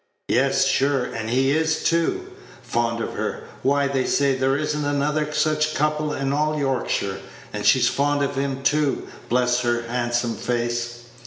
"Yes, sure; and he is, too. Fond of her! Why, they say there is n't another such couple in all Yorkshire. And she's fond of him, too, bless her handsome face!